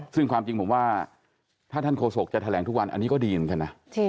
ซึ่งความจริงผมว่าถ้าท่านโฆษกจะแถลงทุกวันอันนี้ก็ดีเหมือนกันนะ